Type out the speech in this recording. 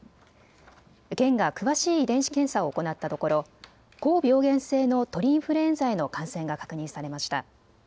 県が詳しい遺伝子検査を行ったところ高病原性の鳥インフルエンザへの感染が確認されました。